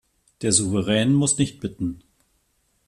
Der Souverän muss nicht bitten.